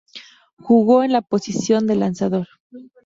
Jugó en la posición de lanzador.